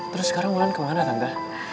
terus sekarang bulan kemana tante